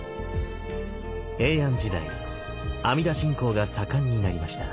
平安時代阿弥陀信仰が盛んになりました。